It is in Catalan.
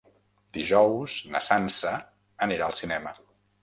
Dijous na Sança anirà al cinema.